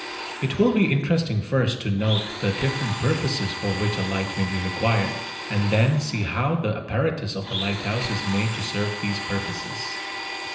It will be interesting first to note the different purposes for which a light may be required, and then see how the apparatus of the lighthouse is made to serve these purposes.